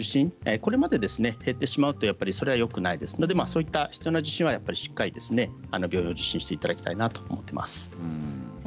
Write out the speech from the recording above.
これまで減ってしまうとそれはよくないですので普通の受診はしっかり病院を受診してほしいと思っています。